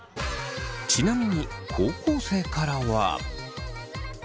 ちなみに高校生からは。